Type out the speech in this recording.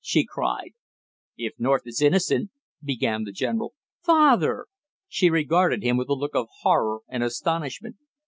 she cried. "If North is innocent " began the general. "Father!" She regarded him with a look of horror and astonishment.